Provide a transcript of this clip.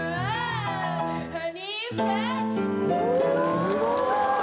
すごい！